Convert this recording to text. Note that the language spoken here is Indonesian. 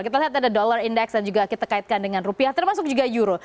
kita lihat ada dollar index dan juga kita kaitkan dengan rupiah termasuk juga euro